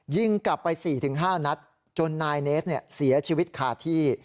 ยิงกลับไป๔๕นัดจนนายเนสเสียชีวิตคาที่